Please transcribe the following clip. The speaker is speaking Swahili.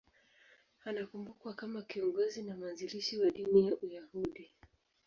Anakumbukwa kama kiongozi na mwanzilishi wa dini ya Uyahudi.